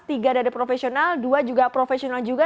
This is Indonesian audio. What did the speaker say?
tiga dari profesional dua juga profesional juga